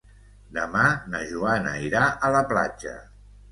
Demà na Joana irà a la platja.